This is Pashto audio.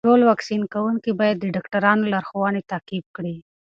ټول واکسین کوونکي باید د ډاکټرانو لارښوونې تعقیب کړي.